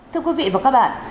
thưa quý vị và các bạn